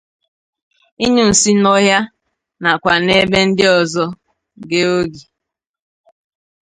ịnyụ nsị n'ọhịa nakwa n'ebe ndị ọzọ ghe oghe